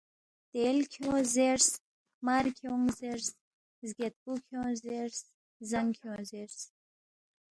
تیل کھیونگ زیرس، مار کھیونگ زیرس، زگیدپُو کھیونگ زیرس، زانگ کھیونگ زیرس